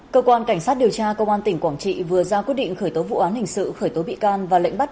cơ quan cảnh sát điều tra công an tỉnh quảng trị vừa ra quyết định khởi tố vụ án hình sự khởi tố bị can và lệnh bắt